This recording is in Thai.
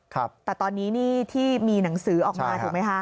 แต่ตอนนี้นี่ที่มีหนังสือออกมาถูกไหมคะ